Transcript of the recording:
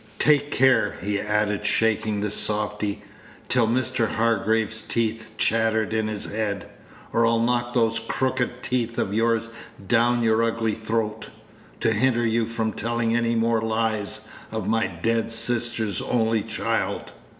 Take care," he added, shaking the softy, till Mr. Hargraves' teeth chattered in his head, "or I'll knock those crooked teeth of yours down your ugly throat, to hinder you from telling any more lies of my dead sister's only child."